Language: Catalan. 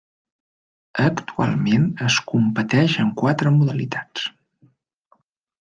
Actualment es competeix en quatre modalitats.